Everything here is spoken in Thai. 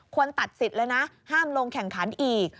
ตัดสิทธิ์เลยนะห้ามลงแข่งขันอีก